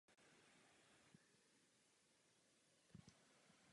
Věž zanikla během třicetileté války.